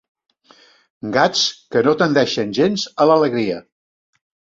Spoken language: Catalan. Gats que no tendeixen gens a l'alegria.